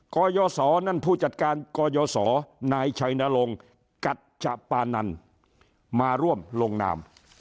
กยศนั่นผู้จัดการกยศนายชัยนรงค์กัชปานันมาร่วมลงนาม